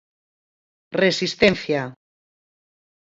Resistencia!